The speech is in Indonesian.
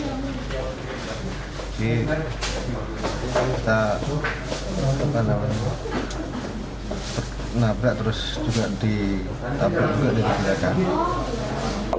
jadi kita nabrak terus juga ditabrak juga dan diberi jatah